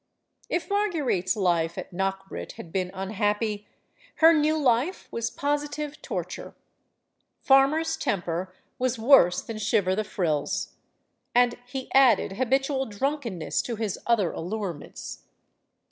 If Marguerite's life at Knockbrit had been unhappy, her new life was positive torture. Farmer's temper was worse than Shiver the Frills.* And he added habitual drunkenness to his other allurements.